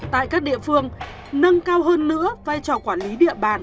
tại các địa phương nâng cao hơn nữa vai trò quản lý địa bàn